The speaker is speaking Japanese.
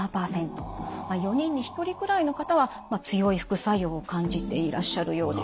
４人に１人くらいの方は強い副作用を感じていらっしゃるようです。